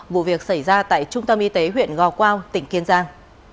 vụ việc xảy ra tại trung tâm y tế huyện gò quao tỉnh kiên giang